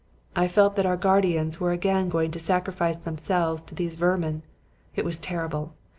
I felt that our guardians were again going to sacrifice themselves to these vermin. It was terrible.